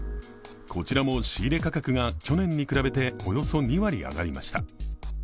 こちらも仕入れ価格が去年に比べておよそ２割上がりました。